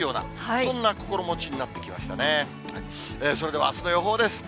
それではあすの予報です。